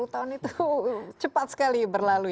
sepuluh tahun itu cepat sekali berlalu